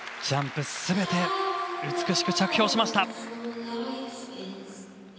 ジャンプすべて美しく着氷しました。